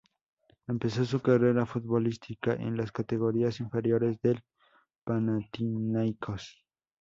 Empezó su carrera futbolística en las categorías inferiores del Panathinaikos.